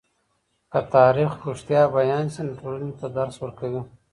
که تاریخ رښتیا بيان سي، نو ټولني ته درس ورکوي.